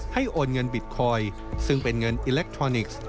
โอนเงินบิตคอยน์ซึ่งเป็นเงินอิเล็กทรอนิกส์